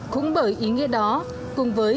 cũng bởi ý nghĩa đó cùng với